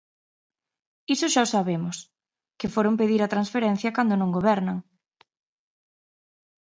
Iso xa o sabemos, que foron pedir a transferencia cando non gobernan.